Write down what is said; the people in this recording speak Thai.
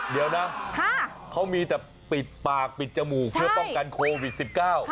เดี๋ยวนะเขามีแต่ปิดปากปิดจมูกเพื่อป้องกันโควิดสิบเก้า